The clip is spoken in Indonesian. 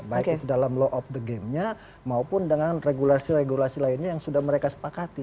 baik itu dalam law of the game nya maupun dengan regulasi regulasi lainnya yang sudah mereka sepakati